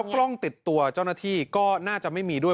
กล้องติดตัวเจ้าหน้าที่ก็น่าจะไม่มีด้วย